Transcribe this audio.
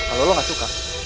kalau lo gak suka